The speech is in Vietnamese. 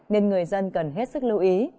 nên người dân cần hết sức lưu ý